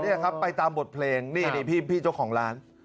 นี่ครับไปตามบทเพลงนี่พี่เจ้าของร้าน